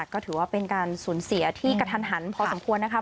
ก็ถือว่าเป็นการสูญเสียที่กระทันหันพอสมควรนะคะ